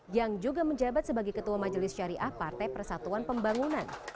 yang juga menjabat sebagai ketua majelis syariah partai persatuan pembangunan